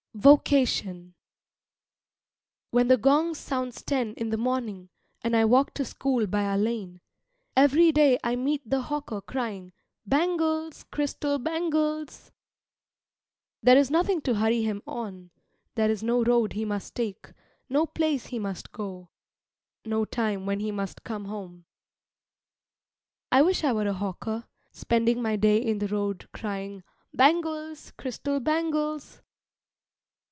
VOCATION When the gong sounds ten in the morning and I walk to school by our lane, Every day I meet the hawker crying, "Bangles, crystal bangles!" There is nothing to hurry him on, there is no road he must take, no place he must go to, no time when he must come home. I wish I were a hawker, spending my day in the road, crying, "Bangles, crystal bangles!"